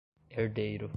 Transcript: herdeiro